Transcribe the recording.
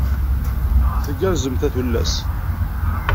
Tgerrzemt a tullas?